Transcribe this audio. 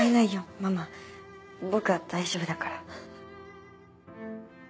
ママ僕は大丈夫だから。